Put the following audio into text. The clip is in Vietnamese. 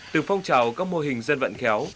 từ phong trào các mô hình dân vận khéo